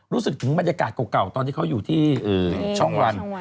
รู้สึกถึงบรรยากาศเก่าตอนที่เขาอยู่ที่ช่องวัน